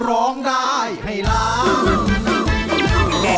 ร้องได้ให้ล้าน